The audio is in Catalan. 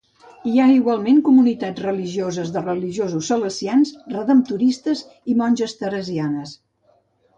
Hi ha igualment comunitats religioses de religiosos salesians, redemptoristes i monges teresianes.